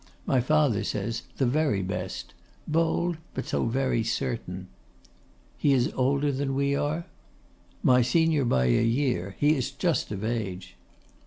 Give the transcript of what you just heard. My father says, the very best; bold, but so very certain.' 'He is older than we are?' 'My senior by a year: he is just of age.